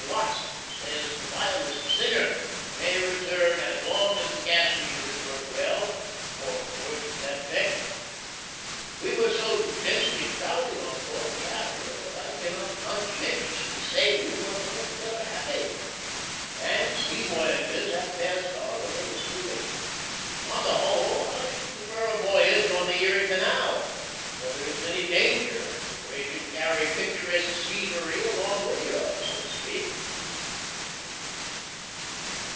Watts says the vilest sinner may return as long as the gas meters work well, or words to that effect. .... We were so densely crowded on board the Ariel that I cannot conscientiously say we were altogether happy. And sea voyages at best are a little stupid. On the whole I should prefer a voyage on the Erie Canal, where there isn't any danger, and where you can carry picturesque scenery along with you so to speak.